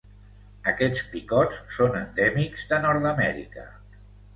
Aquests picots són endèmics de Nord-amèrica.